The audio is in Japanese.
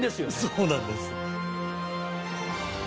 そうなんです。